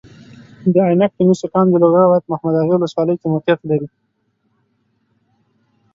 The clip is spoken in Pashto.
د عینک د مسو کان د لوګر ولایت محمداغې والسوالۍ کې موقیعت لري.